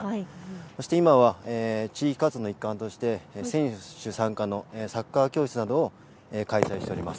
そして今は地域活動の一環として選手参加のサッカー教室などを開催しております。